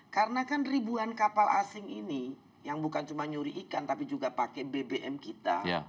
karena kan ribuan kapal asing ini yang bukan cuma nyuri ikan tapi juga pakai bbm kita